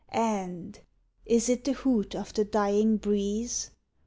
And is it the hoot of the dying breeze?